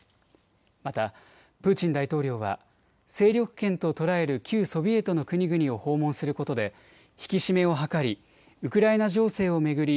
またプーチン大統領は勢力圏と捉える旧ソビエトの国々を訪問することで引き締めを図りウクライナ情勢を巡り